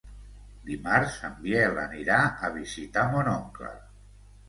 Dimarts en Biel anirà a visitar mon oncle.